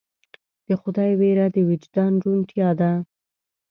د خدای ویره د وجدان روڼتیا ده.